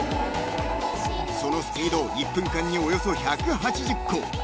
［そのスピード１分間におよそ１８０個］